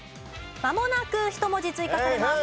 まもなく１文字追加されます。